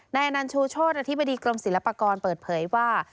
อนันชูโชธอธิบดีกรมศิลปากรเปิดเผยว่า